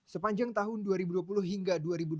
sepanjang tahun dua ribu dua puluh hingga dua ribu dua puluh